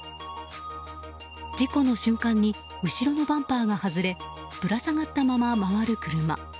事故の瞬間に後ろのバンパーが外れぶらさがったまま回る車。